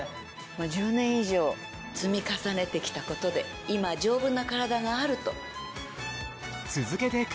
１０年以上積み重ねてきたことで今丈夫なカラダがあると。